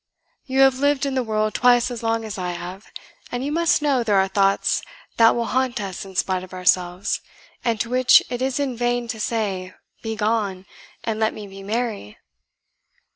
You have lived in the world twice as long as I have, and you must know there are thoughts that will haunt us in spite of ourselves, and to which it is in vain to say, Begone, and let me be merry."